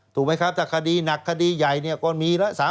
ถูกไหมครับถ้าคดีหนักคดีใหญ่ก็มีแล้ว